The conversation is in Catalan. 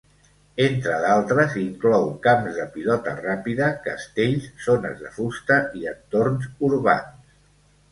Entre d'altres, inclou camps de pilota ràpida, castells, zones de fusta i entorns urbans.